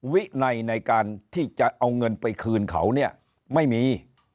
วินัยในการที่จะเอาเงินไปคืนเขาเนี่ยไม่มี